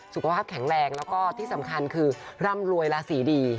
สุขภาพแข็งแรงแล้วก็ที่สำคัญคือร่ำรวยราศีดี